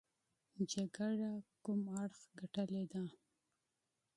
جګړه کوم اړخ ګټلې ده.